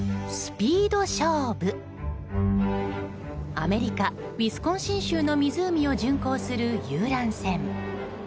アメリカ・ウィスコンシン州の湖を巡行する遊覧船。